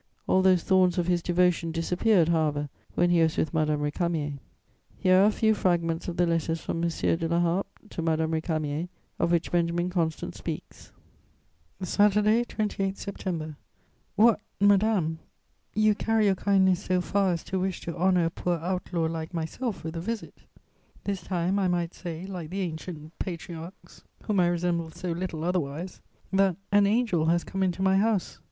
All those thorns of his devotion disappeared, however, when he was with Madame Récamier." [Sidenote: M. de La Harpe.] Here are a few fragments of the letters from M. de La Harpe to Madame Récamier of which Benjamin Constant speaks: "SATURDAY, 28 September. "What, madame, you carry your kindness so far as to wish to honour a poor outlaw like myself with a visit! This time I might say, like the ancient patriarchs, whom I resemble so little otherwise, that 'an angel has come into my house.'